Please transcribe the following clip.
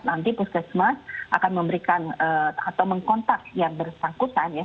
nanti puskesmas akan memberikan atau mengkontak yang bersangkutan ya